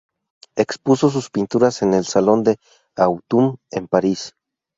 Expuso sus pinturas en "Salon d' autumn" en París.